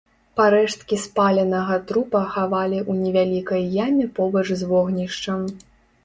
Парэшткі спаленага трупа хавалі ў невялікай яме побач з вогнішчам.